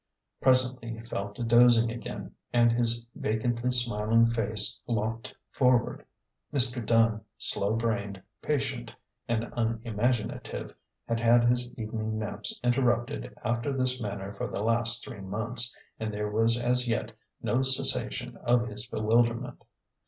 Presently he fell to dozing again, and his va cantly smiling face lopped forward. Mr. Dunn, slow brained, patient, and unimaginative, had had his evening naps interrupted after this manner for the last three months, 244 A GENTLE GHOST. and there was as yet no cessation of his bewilderment.